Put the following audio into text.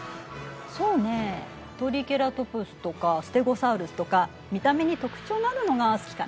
そうねえトリケラトプスとかステゴサウルスとか見た目に特徴があるのが好きかなあ。